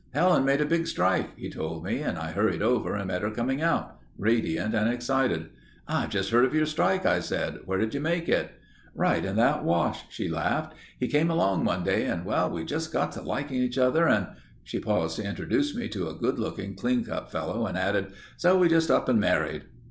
"Helen made a big strike," he told me and I hurried over and met her coming out—radiant and excited. "I've just heard of your strike," I said. "Where did you make it?" "Right in that wash," she laughed. "He came along one day and—well, we just got to liking each other and—" She paused to introduce me to a good looking clean cut fellow and added: "So we just up and married."